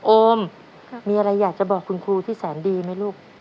โอมมีอะไรอยากจะบอกคุณครูที่แสนดีไหมลูก